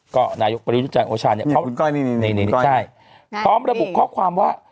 ก็นายกประยุจันทร์โอชาเนี่ยพร้อมระบุข้อความว่า